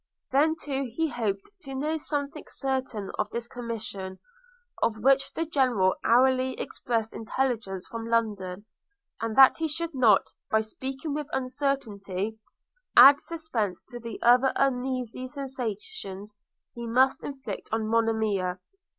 Then too he hoped to know something certain of this commission, of which the General hourly expected intelligence from London; and that he should not, by speaking with uncertainty, add suspense to the other uneasy sensations he must inflict on Monimia.